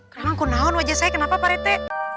karena aku naun wajah saya kenapa pak rete